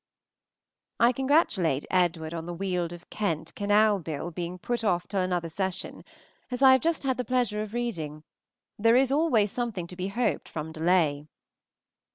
I congratulate Edward on the Weald of Kent Canal Bill being put off till another Session, as I have just had the pleasure of reading. There is always something to be hoped from delay.